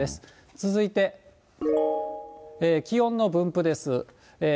続いて気温の分布です。